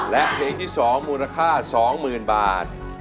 และเพลงที่๒มูลค่า๒๐๐๐บาท